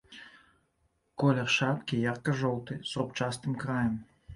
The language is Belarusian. Колер шапкі ярка-жоўты, з рубчастым краем.